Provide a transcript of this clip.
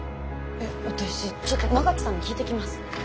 えっ私ちょっと馬垣さんに聞いてきます。